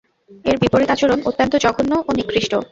এর বিপরীত আচরণ অত্যন্ত জঘন্য ও নিকৃষ্ট।